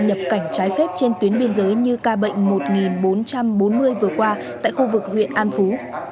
nhập cảnh trái phép trên tuyến biên giới như ca bệnh một bốn trăm bốn mươi vừa qua tại khu vực huyện an phú